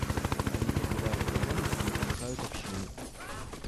Они подрывают экономику и разрушают общины.